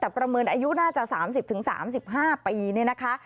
แต่ประเมินอายุน่าจะ๓๐๓๕ปีเนี่ยนะคะ